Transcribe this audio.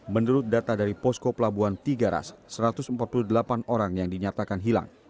menurut data dari posko pelabuhan tiga ras satu ratus empat puluh delapan orang yang dinyatakan hilang